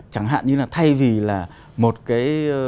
chẳng hạn như là thay vì là một cái